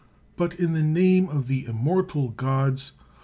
But, in the name of the immortal gods!